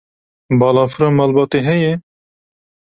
Balafira malbatê heye?